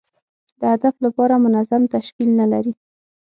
د هدف لپاره منظم تشکیل نه لري.